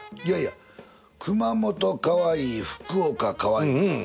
いやいや熊本かわいい福岡かわいい。